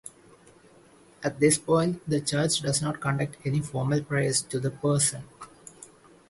At this point the Church does not conduct any formal prayers "to" the person.